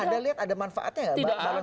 anda lihat ada manfaatnya